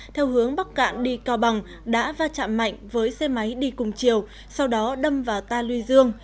theo hướng bắc cạn đi cao bằng đã va chạm mạnh với xe máy đi cùng chiều sau đó đâm vào ta luy dương